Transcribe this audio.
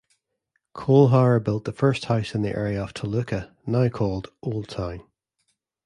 Colehower built the first house in the area of Toluca now called Old Town.